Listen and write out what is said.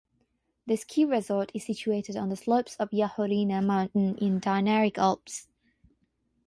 The ski resort is situated on the slopes of Jahorina mountain in Dinaric Alps.